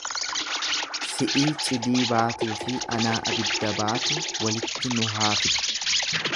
"Si'ii cidii baatuufi anaa abidda baatu walitti nu haa fidu""'."